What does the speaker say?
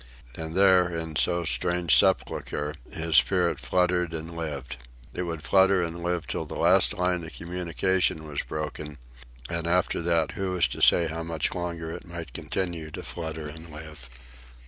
And there, in so strange sepulchre, his spirit fluttered and lived. It would flutter and live till the last line of communication was broken, and after that who was to say how much longer it might continue to flutter and live?